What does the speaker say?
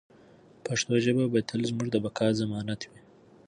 پښتو ژبه به تل زموږ د بقا ضمانت وي.